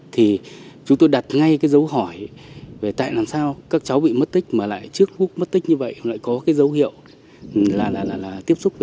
thì chúng tôi đặt ngay cái dấu hỏi về tại làm sao các cháu bị mất tích mà lại trước lúc mất tích như vậy lại có cái dấu hiệu là tiếp xúc với